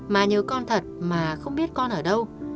má nhớ con thật mà không biết con ở đâu